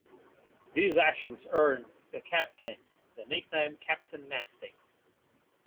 These actions earned the captain the nickname "Captain Nasty".